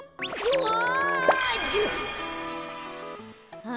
うわ！